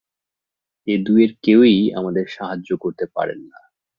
এ দুয়ের কেউই আমাদের সাহায্য করতে পারেন না।